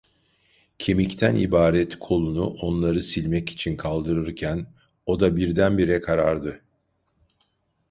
Kemikten ibaret kolunu onları silmek için kaldırırken oda birdenbire karardı.